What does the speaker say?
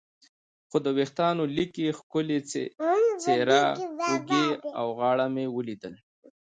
خو د وریښتانو لیکې، ښکلې څېره، اوږې او غاړه مې ولیدل.